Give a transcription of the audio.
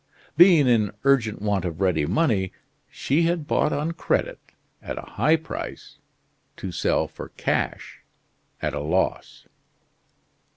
Being in urgent want of ready money, she had bought on credit at a high price to sell for cash at a loss.